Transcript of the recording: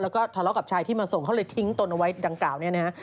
แล้วก็ทะเลาะกับชายที่มาส่งเขาเลยทิ้งตนเอาไว้ดังกล่าวเนี่ยนะฮะ